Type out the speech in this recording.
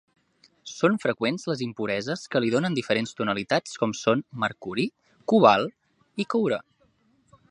Són freqüents les impureses que li donen diferents tonalitats com són: mercuri, cobalt i coure.